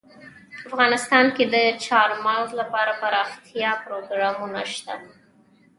افغانستان کې د چار مغز لپاره دپرمختیا پروګرامونه شته.